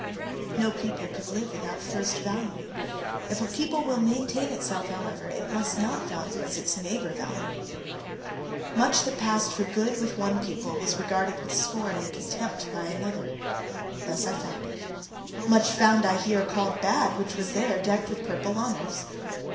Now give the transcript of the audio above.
No people could live without first valuing; if a people will maintain itself, however, it must not value as its neighbour valueth. Much that passed for good with one people was regarded with scorn and contempt by another: thus I found it. Much found I here called bad, which was there decked with purple honours.